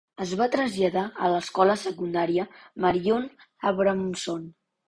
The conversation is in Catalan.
Es va traslladar a l'escola secundària Marion Abramson.